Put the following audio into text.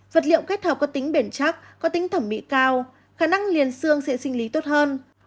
vật liệu kết hợp có tính bền chắc có tính thẩm mỹ cao khả năng liền xương sẽ sinh lý tốt hơn